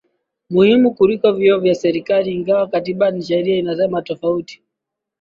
Muhimu kuliko vyeo vya serikali ingawa katiba na sheria inasema tofauti